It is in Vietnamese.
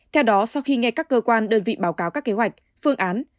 theo đó sau khi nghe các cơ quan đơn vị báo cáo các kế hoạch phương án